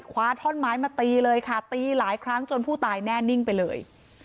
คว้าท่อนไม้มาตีเลยค่ะตีหลายครั้งจนผู้ตายแน่นิ่งไปเลย